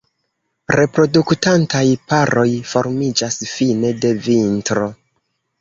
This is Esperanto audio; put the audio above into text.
Reproduktantaj paroj formiĝas fine de vintro.